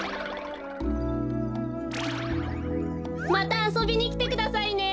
またあそびにきてくださいね。